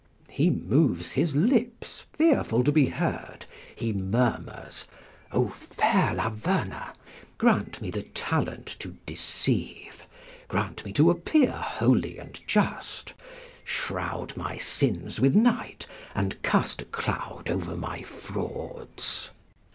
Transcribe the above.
he moves his lips, fearful to be heard; he murmurs: O fair Laverna, grant me the talent to deceive; grant me to appear holy and just; shroud my sins with night, and cast a cloud over my frauds."